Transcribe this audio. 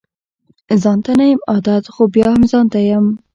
ځانته نه يم عادت خو بيا هم ځانته يم